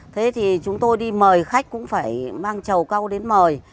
thế thì chúng tôi đi mời khách cũng phải mang trầu câu đến mời